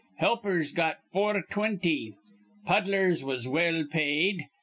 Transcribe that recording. Helpers got four twinty. Puddlers was well paid.